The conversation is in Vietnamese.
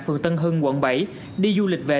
phường tân hưng quận bảy đi du lịch về